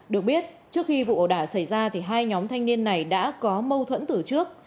được biết trước khi vụ ẩu đả xảy ra hai nhóm thanh niên này đã có mâu thuẫn từ trước